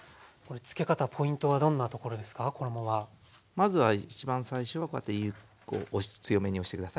まずは一番最初はこうやって強めに押して下さい。